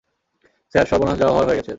Sir, সর্বনাশ যা হওয়ার হয়ে গেছে।